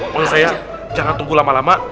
menurut saya jangan tunggu lama lama